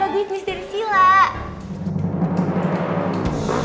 omg sih lah